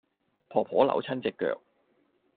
婆婆扭親隻腳